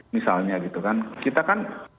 misalnya gitu kan kita kan